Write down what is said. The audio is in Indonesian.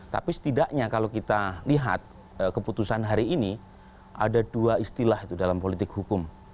tapi setidaknya kalau kita lihat keputusan hari ini ada dua istilah itu dalam politik hukum